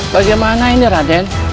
bagaimana ini raden